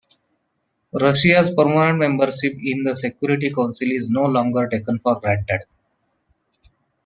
Russia's permanent membership in the Security Council is no longer taken for granted.